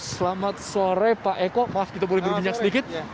selamat sore pak eko maaf kita boleh berbincang sedikit